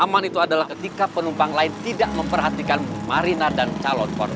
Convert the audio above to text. aman itu adalah ketika penumpang lain tidak memperhatikan mariner dan calon korban